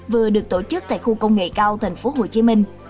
vừa được tổ chức tại khu công nghệ cao tp hcm